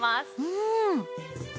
うん。